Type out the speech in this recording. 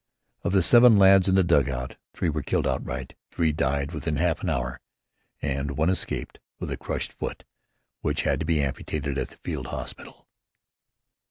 Of the seven lads in the dugout, three were killed outright, three died within half an hour, and one escaped with a crushed foot which had to be amputated at the field hospital.